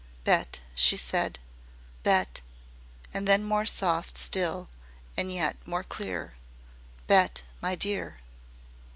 "Bet," she said, "Bet." And then more soft still and yet more clear, "Bet, my dear."